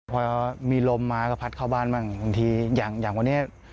พอมีลมมาก็พัดเข้าบ้านบ้างบางทีอย่างอย่างวันนี้